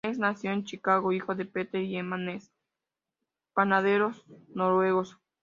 Ness nació en Chicago, hijo de Peter y Emma Ness, panaderos noruegos.